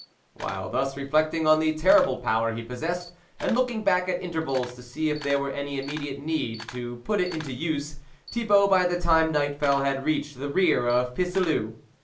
While thus reflecting on the terrible power he possessed, and looking back at intervals to see if there " were any immediate need to put it into use, Thi bault, by the time night fell, had reached the rear of Pisseleu.